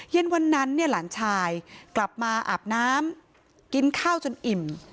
เย็นวันนั้นเนี่ยหลานชายกลับมาอาบน้ำกินข้าวจนอิ่ม